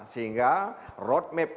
sehingga roadmap kpk